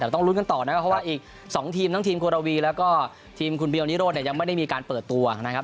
แต่ต้องลุ้นกันต่อนะครับเพราะว่าอีก๒ทีมทั้งทีมโครวีแล้วก็ทีมคุณเบียลนิโรธเนี่ยยังไม่ได้มีการเปิดตัวนะครับ